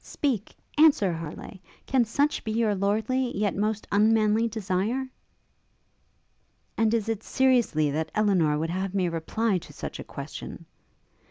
speak! answer, Harleigh! can such be your lordly, yet most unmanly desire?' 'And is it seriously that Elinor would have me reply to such a question?'